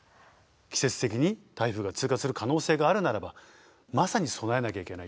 季節的に台風が通過する可能性があるならばまさに備えなきゃいけない。